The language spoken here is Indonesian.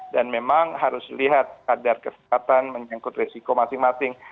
dan memang harus lihat kadar kesehatan menyangkut resiko masing masing